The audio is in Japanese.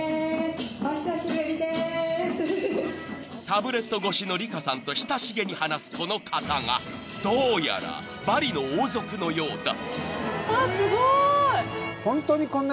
［タブレット越しの里香さんと親しげに話すこの方がどうやらバリの王族のようだ］